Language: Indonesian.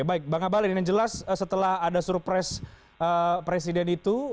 baik bang abalin yang jelas setelah ada surpres presiden itu